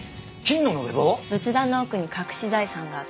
仏壇の奥に隠し財産があったの。